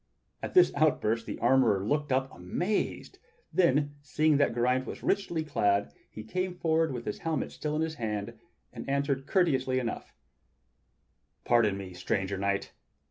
At this outburst the armorer looked up amazed; then, seeing that Geraint was richly clad, he came forward with his helmet still in his hand, and answered courteously enough: "Pardon me, stranger knight!